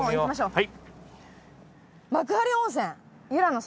はい。